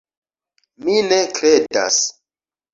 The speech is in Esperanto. Mi ne kredas!